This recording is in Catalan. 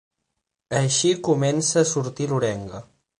Així comença a sortir l'orenga.